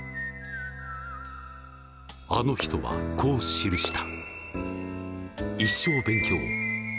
あの人はこう記した。